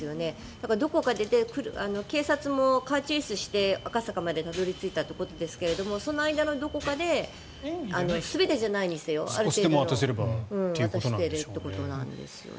だから、どこかで警察もカーチェイスして赤坂までたどり着いたってことですけどその間のどこかで全てじゃないにせよある程度、渡しているということなんですよね。